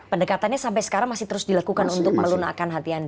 pendekatannya sampai sekarang masih terus dilakukan untuk melunakan hati anda